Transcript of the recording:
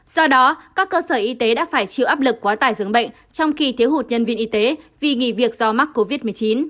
do đó các cơ sở y tế đã phải chịu áp lực quá tải dường bệnh trong khi thiếu hụt nhân viên y tế vì nghỉ việc do mắc covid một mươi chín